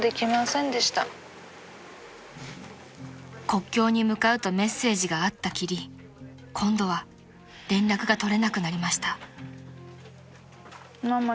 ［国境に向かうとメッセージがあったきり今度は連絡が取れなくなりました］